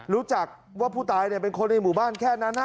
รู้จักว่าผู้ตายเป็นคนในหมู่บ้านแค่นั้น